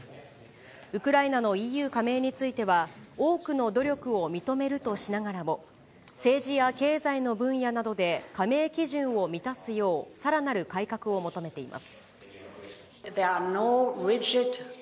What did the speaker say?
ウクライナのＥＵ加盟については、多くの努力を認めるとしながらも、政治や経済の分野などで加盟基準を満たすよう、さらなる改革を求めています。